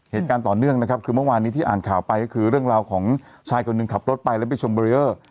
เหตุการณ์ต่อเนื่องนะครับคือเมื่อวานนี้ที่อ่านข่าวไปก็คือเรื่องราวของชายคนหนึ่งขับรถไปแล้วไปชมเบรีเออร์